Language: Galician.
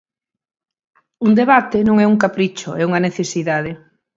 Un debate non é un capricho, é unha necesidade.